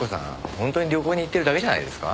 本当に旅行に行ってるだけじゃないですか？